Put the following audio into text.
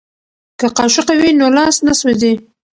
که قاشقه وي نو لاس نه سوځي.